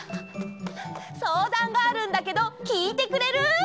そうだんがあるんだけど聞いてくれる？